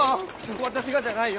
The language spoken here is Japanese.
私がじゃないよ。